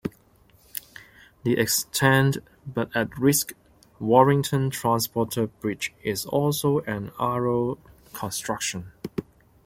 The extant but at-risk Warrington Transporter Bridge is also an Arrol construction.